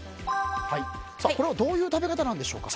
どういう食べ方なんでしょうか？